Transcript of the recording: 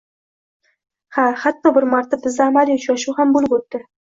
Ha, hatto bir marta bizda amaliy uchrashuv ham boʻlib oʻtdi.